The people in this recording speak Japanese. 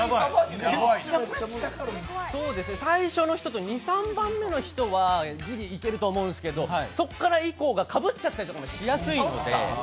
最初の人と２、３番目の人はギリいけると思うんですけどそこから以降がかぶっちゃったりとかしやすいので。